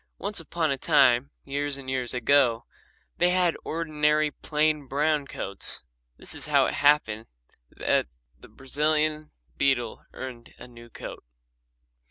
Once upon a time, years and years ago, they had ordinary plain brown coats. This is how it happened that the Brazilian beetle earned a new coat.